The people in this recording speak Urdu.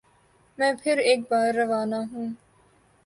میں پھر ایک بار روانہ ہوں